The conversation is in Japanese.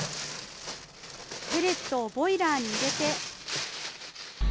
ペレットをボイラーに入れて。